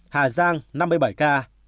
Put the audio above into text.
hà giang năm mươi bảy ca